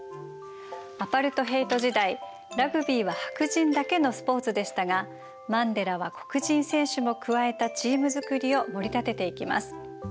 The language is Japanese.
アパルトヘイト時代ラグビーは白人だけのスポーツでしたがマンデラは黒人選手も加えたチーム作りをもり立てていきます。